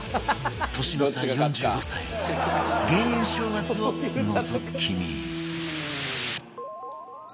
年の差４５歳減塩正月をのぞき見